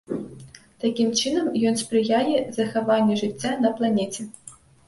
Такім чынам ён спрыяе захаванню жыцця на планеце.